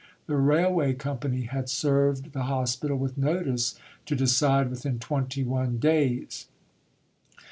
The Railway Company had served the Hospital with notice to decide within twenty one days.